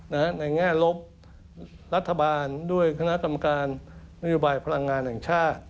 ในแง่ลบรัฐบาลด้วยคณะกรรมการนโยบายพลังงานแห่งชาติ